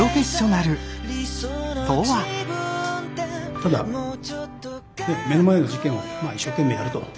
ただ目の前の事件を一生懸命やると。